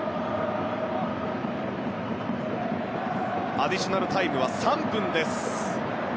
アディショナルタイムは３分です。